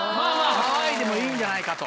ハワイでもいいんじゃないかと。